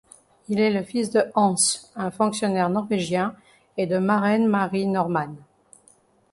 Il est le fils de Hans, un fonctionnaire norvégien, et de Maren Marie Normann.